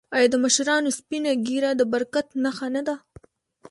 آیا د مشرانو سپینه ږیره د برکت نښه نه ده؟